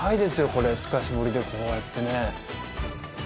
これ透かし彫りでこうやってね